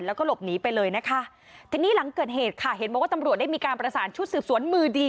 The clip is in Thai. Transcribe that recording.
แล้วก็หลบหนีไปเลยนะคะทีนี้หลังเกิดเหตุค่ะเห็นบอกว่าตำรวจได้มีการประสานชุดสืบสวนมือดี